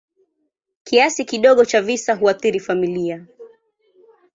Kiasi kidogo cha visa huathiri familia.